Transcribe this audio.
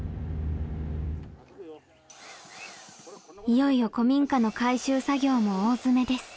いよいよ古民家の改修作業も大詰めです。